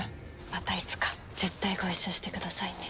またいつか絶対ご一緒してくださいね。